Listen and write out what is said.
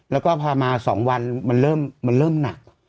แล้วก็พอมา๒วันมันเริ่มหนัก